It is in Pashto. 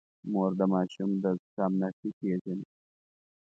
مور د ماشوم د زکام نښې پېژني.